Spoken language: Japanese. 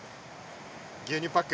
牛乳パック。